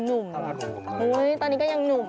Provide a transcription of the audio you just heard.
ตอนนี้ก็ยังหนุ่ม